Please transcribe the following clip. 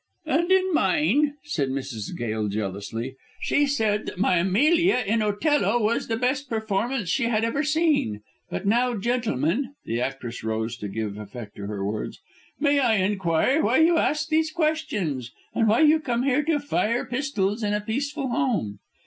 "And in mine," said Mrs. Gail jealously. "She said that my Emilia in 'Othello' was the best performance she had ever seen. But now, gentlemen," the actress rose to give effect to her words, "may I inquire why you ask these questions, and why you come here to fire pistols in a peaceful home?"